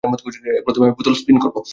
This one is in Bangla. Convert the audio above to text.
প্রথমে আমি বোতল স্পিন করবো।